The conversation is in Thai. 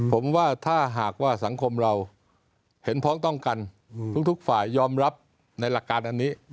ผมว่าถ้าหากว่าสังคมเราเห็นพ้องต้องกันทุกฝ่ายยอมรับในหลักการอันนี้